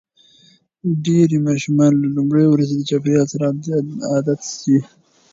ډېری ماشومان له لومړۍ ورځې د چاپېریال سره عادت شي.